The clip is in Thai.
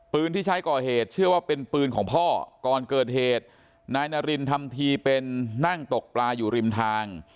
ที่ใช้ก่อเหตุเชื่อว่าเป็นปืนของพ่อก่อนเกิดเหตุนายนารินทำทีเป็นนั่งตกปลาอยู่ริมทาง